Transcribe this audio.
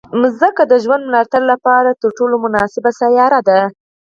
مځکه د ژوند د ملاتړ لپاره تر ټولو مناسبه سیاره ده.